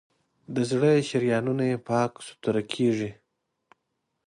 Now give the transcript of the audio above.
د زړه شریانونه یې پاک سوتړه کېږي.